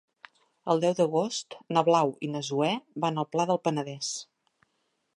El deu d'agost na Blau i na Zoè van al Pla del Penedès.